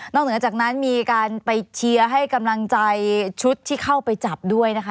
เหนือจากนั้นมีการไปเชียร์ให้กำลังใจชุดที่เข้าไปจับด้วยนะคะ